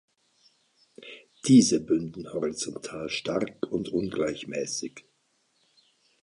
Diese bündeln horizontal stark und ungleichmäßig.